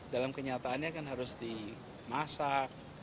dalam kenyataannya kan harus dimasak